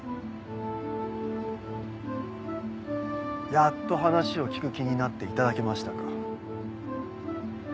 やっと話を聞く気になっていただけましたか。